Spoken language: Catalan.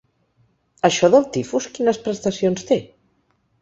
Això del tifus, quines prestacions té?